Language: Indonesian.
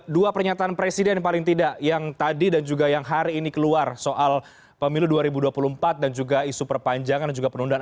dua pernyataan presiden paling tidak yang tadi dan juga yang hari ini keluar soal pemilu dua ribu dua puluh empat dan juga isu perpanjangan dan juga penundaan